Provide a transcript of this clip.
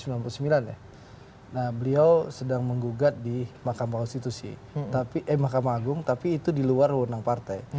nah beliau sedang menggugat di mahkamah agung tapi itu di luar undang partai